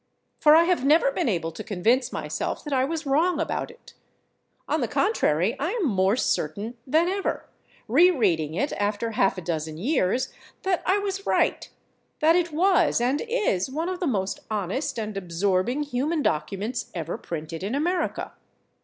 For I have never been able to convince myself that I was wrong about it. On the contrary, I am more certain than ever, re reading it after half a dozen years, that I was right—that it was and is one of the most honest and absorbing human documents ever printed in America.